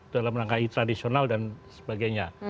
dalam rangka tradisional dan sebagainya